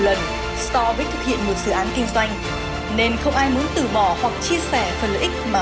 lần so với thực hiện một dự án kinh doanh nên không ai muốn từ bỏ hoặc chia sẻ phần lợi ích mà